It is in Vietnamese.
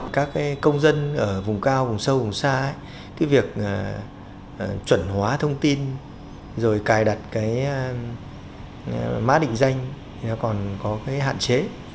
các công dân ở vùng cao vùng sâu vùng xa việc chuẩn hóa thông tin rồi cài đặt má định danh còn có hạn chế